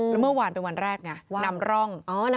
แล้วเมื่อวานเป็นวันแรกไงนำร่อง